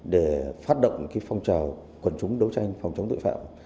để phát động phong trào quần chúng đấu tranh phòng chống tội phạm